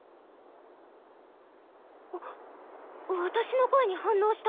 あっ私の声に反応した。